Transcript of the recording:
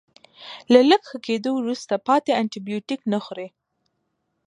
له لږ ښه کیدو وروسته پاتې انټي بیوټیک نه خوري.